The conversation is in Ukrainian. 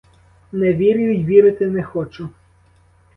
Не вірю й вірити не хочу!